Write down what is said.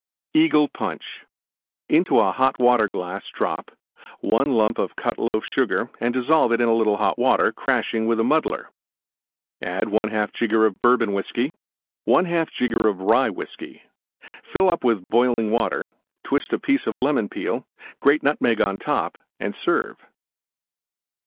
EAGLE PUNCH Into a Hot Water glass drop: 1 lump Cut Loaf Sugar and dissolve in little Hot Water, crashing with muddler. 1/2 jigger Bourbon Whiskey. 1/2 jigger Rye Whiskey. Fill up with boiling Water; twist a piece of Lemon Peel and grate Nutmeg on top and serve.